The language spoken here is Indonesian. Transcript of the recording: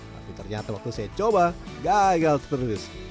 tapi ternyata waktu saya coba gagal terus